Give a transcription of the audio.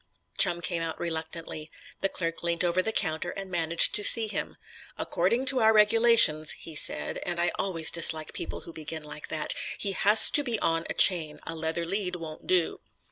Chum came out reluctantly. The clerk leant over the counter and managed to see him. "According to our regulations," he said, and I always dislike people who begin like that, "he has to be on a chain. A leather lead won't do."